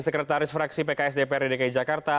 sekretaris fraksi pks dprd dki jakarta